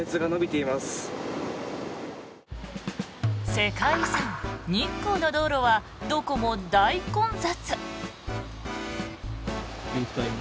世界遺産・日光の道路はどこも大混雑。